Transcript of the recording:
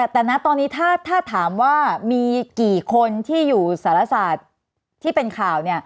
แต่นะตอนนี้ถ้าถามว่ามีกี่คนที่อยู่สารศาสตร์ที่เป็นข่าว